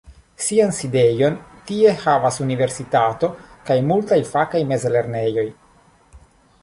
Sian sidejon tie havas Universitato kaj multaj fakaj mezlernejoj.